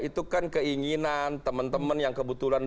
itu kan keinginan teman teman yang kebetulan